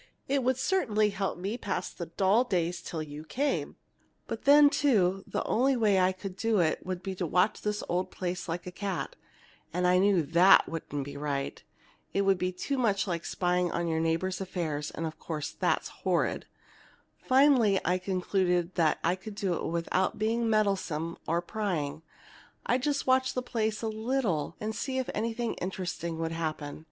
It would certainly help me to pass the dull days till you came! "But then, too, the only way to do it would be to watch this old place like a cat, and I knew that wouldn't be right. It would be too much like spying into your neighbor's affairs, and, of course, that's horrid. Finally, I concluded, that if I could do it without being meddlesome or prying, I'd just watch the place a little and see if anything interesting would happen.